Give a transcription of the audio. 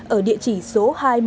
ở địa chỉ số hai mươi một